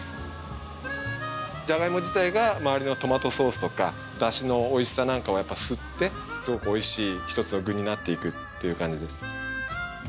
じゃがいも自体が周りのトマトソースとかダシのおいしさなんかを吸ってすごくおいしい一つの具になっていくっていう感じです。